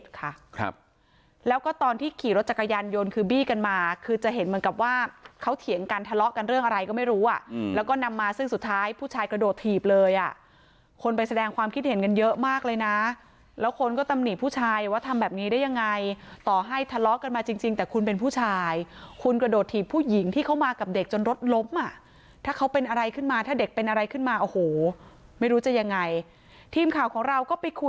จักรยานโดนคือบีกันมาคือจะเห็นเหมือนกับว่าเขาเถียงกันทะเลาะกันเรื่องอะไรก็ไม่รู้อ่ะอืมแล้วก็นำมาซึ่งสุดท้ายผู้ชายกระโดดทีบเลยอ่ะคนไปแสดงความคิดเห็นกันเยอะมากเลยน่ะแล้วคนก็ตำหนีผู้ชายว่าทำแบบนี้ได้ยังไงต่อให้ทะเลาะกันมาจริงจริงแต่คุณเป็นผู้ชายคุณกระโดดทีบผู้หญิงที่เขา